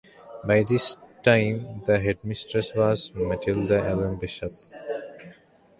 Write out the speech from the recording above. By this time the headmistress was Matilda Ellen Bishop.